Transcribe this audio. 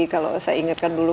kalau saya ingatkan dulu